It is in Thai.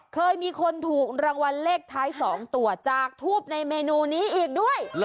เคยมีคนถูกรางวัลเลขท้าย๒ตัวจากทูบในเมนูนี้อีกด้วย